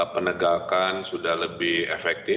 penegakan sudah lebih efektif